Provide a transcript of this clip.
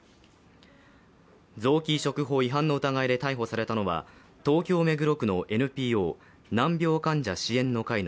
臓器移植法違反の疑いで逮捕されたのは東京・目黒区のＮＰＯ難病患者支援の会の